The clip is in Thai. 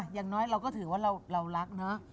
อย่างน้อยเราก็ถือว่าเรารักเนอะ